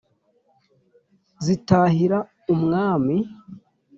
zitahira umwami,